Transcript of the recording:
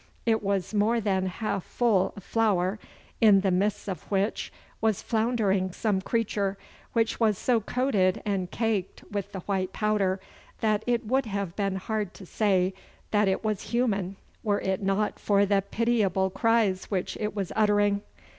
It was more than half full of flour, in the midst of which was floundering some creature, which was so coated and caked with the white powder, that it would have been hard to say that it was human were it not for the pitiable cries which it was uttering.